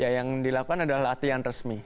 yang dilakukan adalah latihan resmi